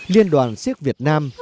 liên đoàn siếc việt nam